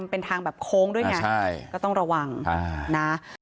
ต้องทำทั้งเท่าไหร่ถ้ามันเกิดเหตุบ่อย